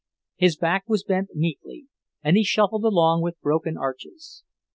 His back was bent meekly, and he shuffled along with broken arches.